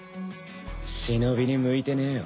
忍に向いてねえよ。